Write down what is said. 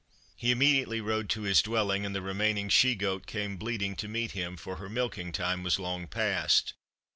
He immediately rode to his dwelling, and the remaining she goat came bleating to meet him, for her milking time was long past.